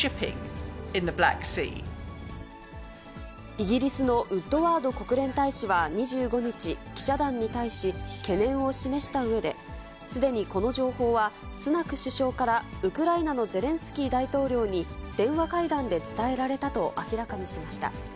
イギリスのウッドワード国連大使は２５日、記者団に対し、懸念を示したうえで、すでにこの情報はスナク首相からウクライナのゼレンスキー大統領に電話会談で伝えられたと明らかにしました。